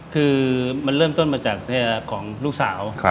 คือมันเริ่มต้นมาจากของลูกสาว